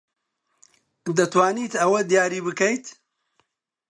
دەتوانیت ئەوە دیاری بکەیت؟